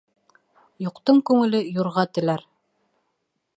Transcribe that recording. Юҡтың күңеле юрға теләр.